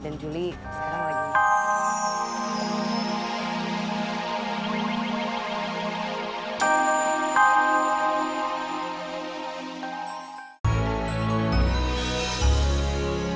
dan julie sekarang lagi